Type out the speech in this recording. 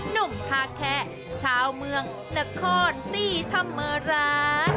หนุ่มคาแคชาวเมืองนครสีธรรมราช